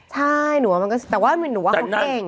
ใช่แต่ว่าหนูว่าเขาเก่ง